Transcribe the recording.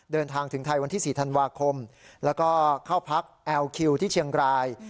เดินทางถึงไทยวันที่๔ธันวาคมแล้วก็เข้าพักแอลคิวที่เชียงราย